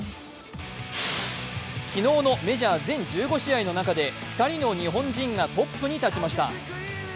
昨日のメジャー全１５試合の中で２人の日本人がトップに立ちました。